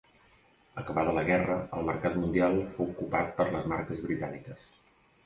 Acabada la guerra, el mercat mundial fou copat per les marques britàniques.